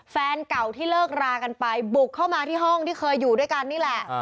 แฟนเก่าที่เลิกรากันไปบุกเข้ามาที่ห้องที่เคยอยู่ด้วยกันนี่แหละ